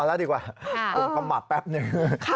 แล้วดีกว่าผมขมับแป๊บหนึ่ง